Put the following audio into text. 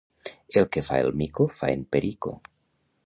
El que fa el mico fa en Perico.